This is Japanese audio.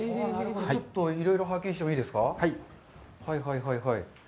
ちょっといろいろ拝見してもいいですか。